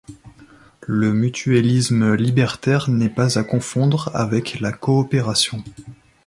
Le mutuellisme libertaire n'est pas à confondre avec la coopération.